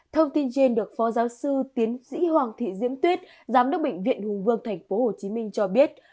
thông tin trên được phó giáo sư tiến sĩ hoàng thị diễm tuyết giám đốc bệnh viện hùng vương tp hcm cho biết